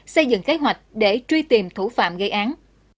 xây dựng kế hoạch để truy tìm thủ phạm gây án